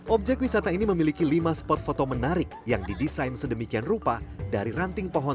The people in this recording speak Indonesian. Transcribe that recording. objek wisata ini memiliki lima spot foto menarik yang didesain sedemikian rupa dari ranting pohon